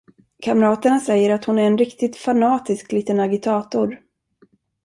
Kamraterna säger, att hon är en riktigt fanatisk liten agitator.